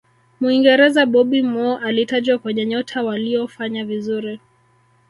muingereza bobby moore alitajwa kwenye nyota waliyofanya vizuri